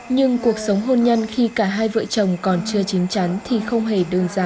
nhưng cuộc sống hôn nhân khi cả hai vợ chồng còn chưa chín chắn thì không hề đơn giản